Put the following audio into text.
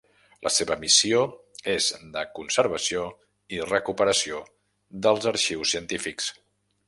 La seva missió és de conservació i recuperació dels arxius científics.